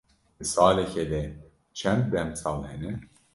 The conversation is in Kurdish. Di salekê de çend demsal hene?